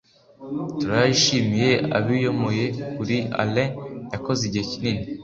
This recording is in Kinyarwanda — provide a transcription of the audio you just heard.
turayishimiye abiyomoye kuri alain yakoze igihe kinini